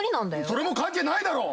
それも関係ないだろ！